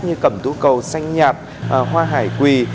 như cẩm tú cầu xanh nhạt hoa hải quỳ